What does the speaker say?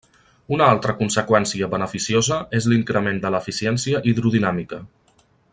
Una altra conseqüència beneficiosa és l'increment de l'eficiència hidrodinàmica.